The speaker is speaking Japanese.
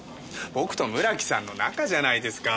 僕と村木さんの仲じゃないですか。